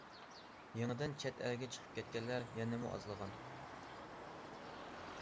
يېڭىدىن چەت ئەلگە قېچىپ كەتكەنلەر يەنىمۇ ئازلىغان.